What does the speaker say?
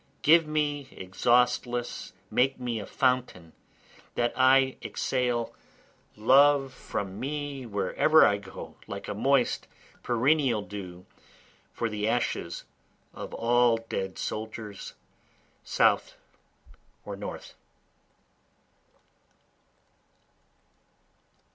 Give me exhaustless, make me a fountain, That I exhale love from me wherever I go like a moist perennial dew, For the ashes of all dead soldiers South or North.